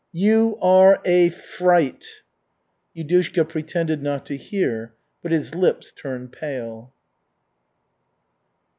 You are a fright!" Yudushka pretended not to hear, but his lips turned pale.